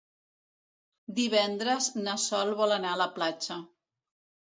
Divendres na Sol vol anar a la platja.